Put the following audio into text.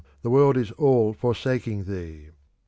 the world is all forsaking thee!"